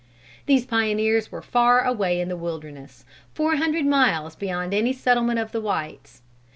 These pioneers were far away in the wilderness, four hundred miles beyond any settlement of the whites.